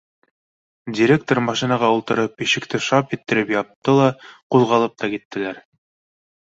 — Директор машинаға ултырып, ишекте шап иттереп япты ла, ҡуҙғалып та киттеләр.